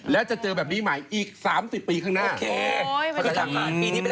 และจะเจอแบบนี้ใหม่อีก๓๐ปีข้างหน้า